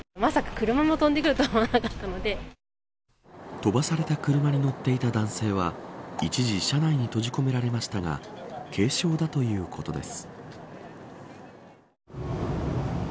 飛ばされた車に乗っていた男性は一時、車内に閉じ込められましたが軽傷だということです。